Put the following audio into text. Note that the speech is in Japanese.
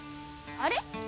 あれ？